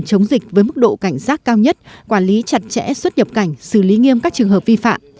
chống dịch với mức độ cảnh giác cao nhất quản lý chặt chẽ xuất nhập cảnh xử lý nghiêm các trường hợp vi phạm